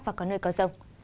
và có nơi có rông